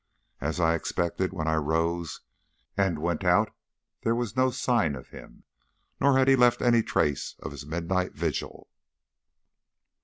As I expected, when I rose and went out there was no sign of him, nor had he left any trace of his midnight vigil.